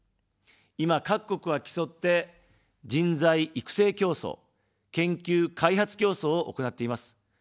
今、各国は競って人材育成競争・研究開発競争を行っています。